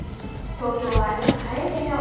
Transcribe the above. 東京は、よく晴れるでしょう。